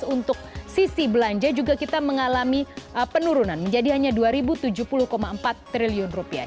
untuk sisi belanja juga kita mengalami penurunan menjadi hanya dua tujuh puluh empat triliun rupiah